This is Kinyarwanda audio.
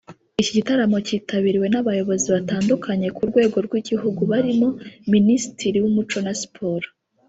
Iki gitaramo cyitabiriwe n’abayobozi batandukanye ku rwego rw’igihugu barimo Minisitiri w’Umuco na Siporo